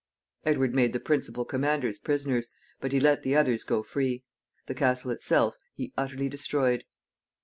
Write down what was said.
Edward made the principal commanders prisoners, but he let the others go free. The castle itself he utterly destroyed.